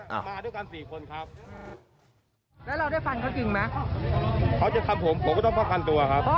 มาด้วยกัน๔คนครับ